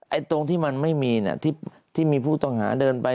ตรงที่มันไม่มีที่มีผู้ต้องหาเดินไป